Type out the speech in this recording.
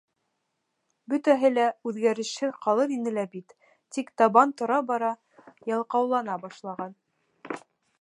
Бөтәһе лә үҙгәрешһеҙ ҡалыр ине лә бит, тик Табан тора-бара ялҡаулана башлаған.